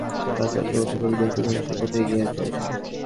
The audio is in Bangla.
গণিতবিদেরা দেখতে পেয়েছেন, বর্তমান সভ্যতা খুবই দ্রুত ধ্বংসের পথে এগিয়ে চলেছে।